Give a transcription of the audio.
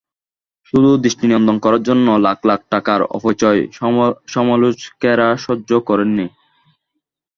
শুধু দৃষ্টিনন্দন করার জন্য লাখ লাখ টাকার অপচয় সমালোচকেরা সহ্য করেননি।